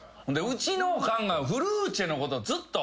うちのおかんがフルーチェのことずっと。